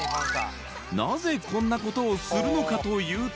なぜこんなことをするのかというと